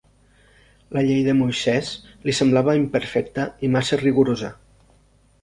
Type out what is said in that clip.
La Llei de Moisès li semblava imperfecta i massa rigorosa.